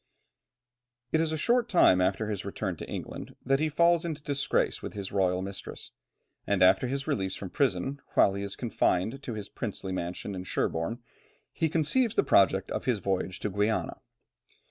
It is a short time after his return to England that he falls into disgrace with his royal mistress, and after his release from prison, while he is confined to his princely mansion of Sherborne, he conceives the project of his voyage to Guiana.